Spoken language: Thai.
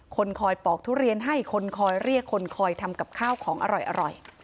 คนคอยปอกทุเรียนให้คนคอยเรียกคนคอยทำกับข้าวของอร่อย